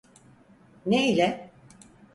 Ne ile?